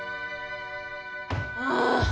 ああ！